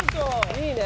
いいね。